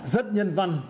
rất nhân văn